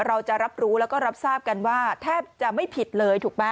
เราจะรับรู้แล้วก็รับทราบกันว่าแทบจะไม่ผิดเลยถูกไหม